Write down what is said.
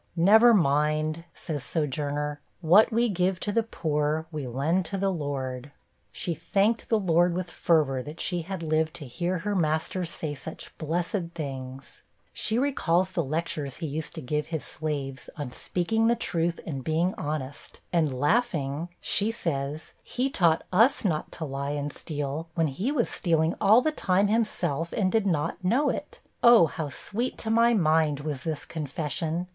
'Never mind,' says Sojourner, 'what we give to the poor, we lend to the Lord.' She thanked the Lord with fervor, that she had lived to hear her master say such blessed things! She recalled the lectures he used to give his slaves, on speaking the truth and being honest, and laughing, she says he taught us not to lie and steal, when he was stealing all the time himself, and did not know it! Oh! how sweet to my mind was this confession!